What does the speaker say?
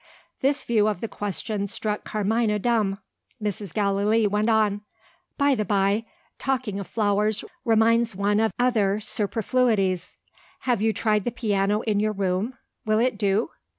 This view of the question struck Carmina dumb. Mrs. Gallilee went on. "By the by, talking of flowers reminds one of other superfluities. Have you tried the piano in your room? Will it do?"